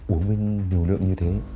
uống với liều lượng như thế